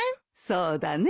そうだね。